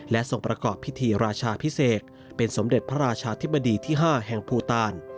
และส่งประกอบพิธีราชาพิเศษเป็นสมเด็จพระราชาธิบดีที่๕แห่งภูตาล